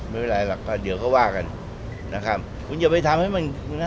ไม่เป็นไรหรอกก็เดี๋ยวก็ว่ากันนะครับคุณอย่าไปทำให้มันนะ